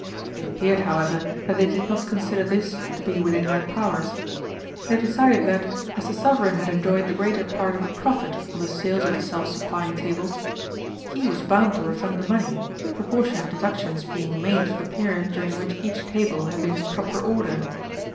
It appeared, however, that they did not consider this to be within their powers. They decided that, as the Sovereign had enjoyed the greater part of the profit on the sales of the self supplying tables, he was bound to refund the money, proportionate deductions being made for the period during which each table had been in proper order.